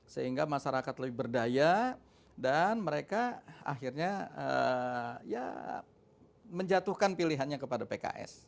sehingga masyarakat lebih berdaya dan mereka akhirnya ya menjatuhkan pilihannya kepada pks